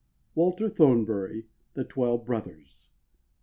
—Walter Thornbury, "The Twelve Brothers."